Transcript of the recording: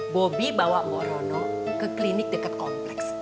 bobi bawa bu rono ke klinik dekat kompleks